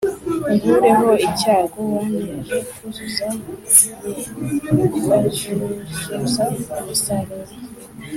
Unkureho icyago wanteje kuzuza ye bazuzuza umusaruro